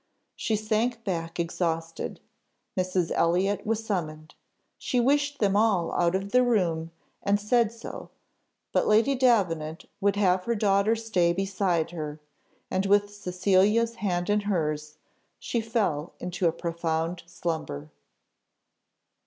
She sank back exhausted. Mrs. Elliott was summoned, she wished them all out of the room, and said so; but Lady Davenant would have her daughter stay beside her, and with Cecilia's hand in hers, she fell into a profound slumber.